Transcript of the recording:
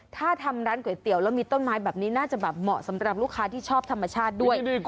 ถ้าทำร้านก๋วยเตี๋ยวแล้วมีต้นไม้แบบนี้น่าจะแบบเหมาะสำหรับลูกค้าที่ชอบธรรมชาติด้วย